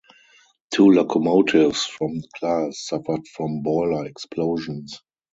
Two locomotives from the class suffered from boiler explosions.